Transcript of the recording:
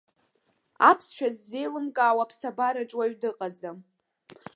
Аԥсшәа ззеилымкаауа аԥсабараҿ уаҩ дыҟаӡам.